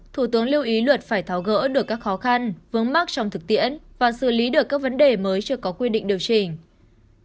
thủ tướng lưu ý luật phải tháo gỡ được các khó khăn vướng mắc trong thực tiễn và xử lý được các vấn đề mới chưa có quy định điều chỉnh